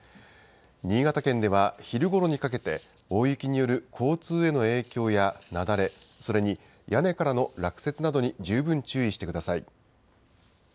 新潟県では昼ごろにかけて、大雪による交通への影響や雪崩、それに屋根からの落雪などに十分注意してください。